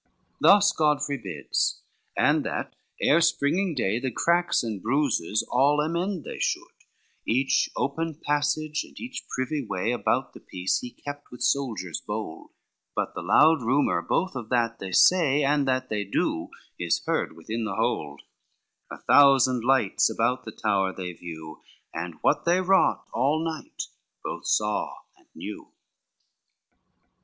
LXXXVI Thus Godfrey bids, and that ere springing day, The cracks and bruises all amend they should, Each open passage, and each privy way About the piece, he kept with soldiers bold: But the loud rumor, both of that they say, And that they do, is heard within the hold, A thousand lights about the tower they view, And what they wrought all night both saw and knew.